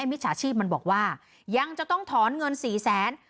มิจฉาชีพมันบอกว่ายังจะต้องถอนเงินสี่แสน